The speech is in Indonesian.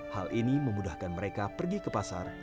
hal ini memudahkan mereka pergi ke pasar